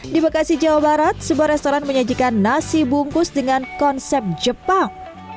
di bekasi jawa barat sebuah restoran menyajikan nasi bungkus dengan konsep jepang